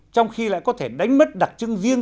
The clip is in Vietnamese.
trong khi lại có thể đánh mất đặc trưng riêng